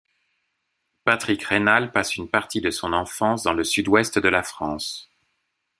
Patrick Raynal passe une partie de son enfance dans le sud-ouest de la France.